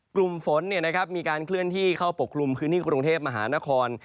กลุ่มฝนเนี่ยนะครับมีการเคลื่อนที่เข้าปกกลุ่มพื้นที่กรุงเทพฯมหานคร